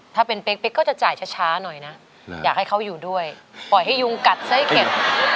ถ้าเป็นเป๊กก็จะจ่ายช้าหน่อยนะอยากให้เขาอยู่ด้วยปล่อยให้ยุงกัดไส้เข็ด